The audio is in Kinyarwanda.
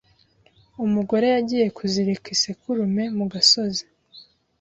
Umugore yagiye kuzirika isekurume mu gasozi,